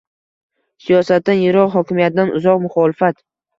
Siyosatdan yiroq, hokimiyatdan uzoq muxolifat